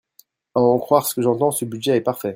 À en croire ce que j’entends, ce budget est parfait.